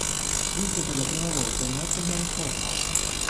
Vinse per la prima volta il Nottingham Forest.